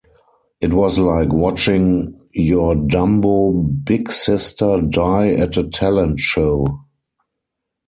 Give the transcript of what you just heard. It was like watching your dumbo big sister die at a talent show.